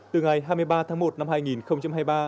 từ ngày hai mươi ba tháng một năm hai nghìn hai mươi ba